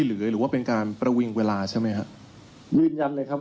หรือว่าเป็นการประวิงเวลาใช่ไหมฮะยืนยันเลยครับ